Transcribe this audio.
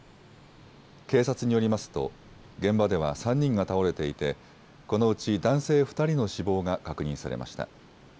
警察によりますと現場では３人が倒れていてこのうち男性２人の死亡が確認されました。